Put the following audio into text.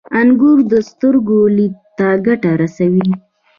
• انګور د سترګو لید ته ګټه رسوي.